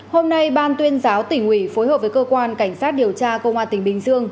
hôm nay ban tuyên giáo tỉnh ủy phối hợp với cơ quan cảnh sát điều tra công an tỉnh bình dương